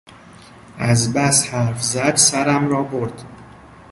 از بس حرف زد سرم را برد!